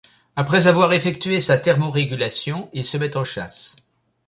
Après avoir effectué sa thermorégulation, il se met en chasse.